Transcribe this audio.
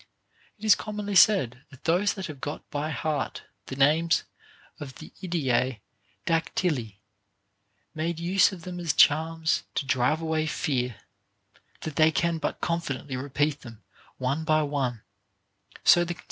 It is commonly said, that those that have got by heart the names of the Idaei Dac tyli make use of them as charms to drive away fear, if they can but confidently repeat them one by one ; so the con OF MAN'S PROGRESS IN VIRTUE.